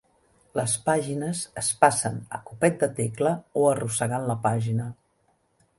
Les pàgines es passen a copet de tecla o arrossegant la pàgina.